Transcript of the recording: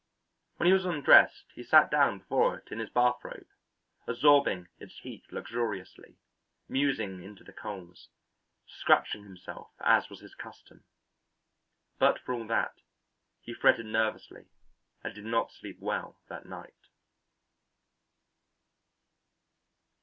When he was undressed, he sat down before it in his bathrobe, absorbing its heat luxuriously, musing into the coals, scratching himself as was his custom. But for all that he fretted nervously and did not sleep well that night.